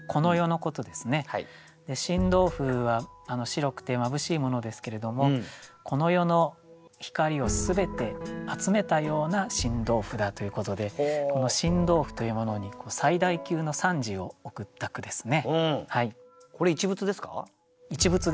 で新豆腐は白くて眩しいものですけれどもこの世の光を全て集めたような新豆腐だということで新豆腐というものに最大級の賛辞を贈った句ですね。